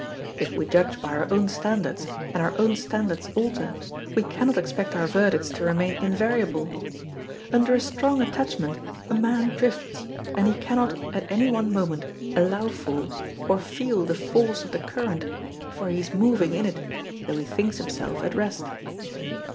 If we judge by our own standards, and our own standards alter, we cannot expect our verdicts to remain invariable. Under a strong attachment a man drifts, and he cannot at any one moment allow for, or feel the force of the current, for he is moving in it, though he thinks himself at rest.